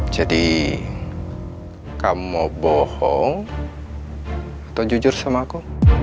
jadi kamu mau bohong atau jujur sama aku